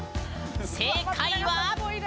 正解は。